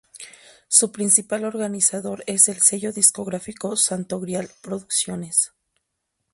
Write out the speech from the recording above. Su principal organizador es el sello discográfico Santo Grial Producciones.